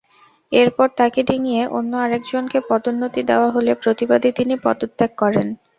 এরপর তাঁকে ডিঙিয়ে অন্য আরেকজনকে পদোন্নতি দেওয়া হলে প্রতিবাদে তিনি পদত্যাগ করেন।